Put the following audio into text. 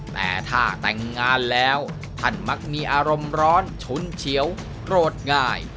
แต่ถ้าแต่งงานแล้วท่านมักมีอารมณ์ร้อนฉุนเฉียวโกรธง่าย